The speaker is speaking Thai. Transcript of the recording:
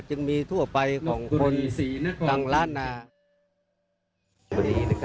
จึงมีทั่วไปของคนกลางแลนด์